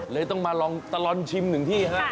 เลยต้องมาลองตลอดชิมหนึ่งที่ฮะ